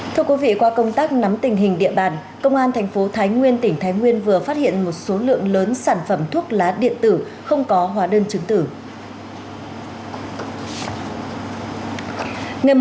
thưa quý vị qua công tác nắm tình hình địa bàn công an thành phố thái nguyên tỉnh thái nguyên vừa phát hiện một số lượng lớn sản phẩm thuốc lá điện tử không có hóa đơn chứng tử